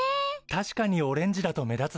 確かにオレンジだと目立つね。